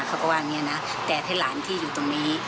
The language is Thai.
เขาก็ว่าอย่างนี้นะแต่ให้หลานที่อยู่ตรงนี้